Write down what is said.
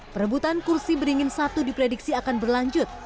perebutan kursi beringin satu diprediksi akan berlanjut